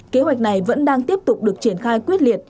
kế hoạch này vẫn đang tiếp tục được triển khai quyết liệt